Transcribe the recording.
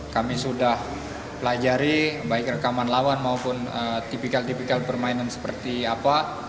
kami sudah pelajari baik rekaman lawan maupun tipikal tipikal permainan seperti apa